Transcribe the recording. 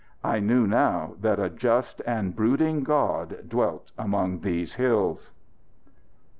I knew now that a just and brooding God dwelt among these hills.